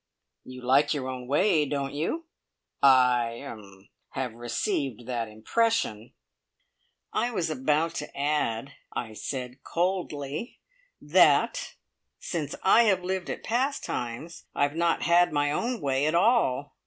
"You like your own way, don't you? I er I have received that impression." "I was about to add," I said coldly, "that, since I have lived at `Pastimes,' I have not had my own way at all.